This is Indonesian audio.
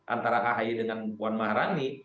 antara ahy dengan puan maharani